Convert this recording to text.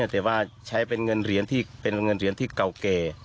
แต่ว่าใช้เป็นเงินเหรียญที่เก่าเก่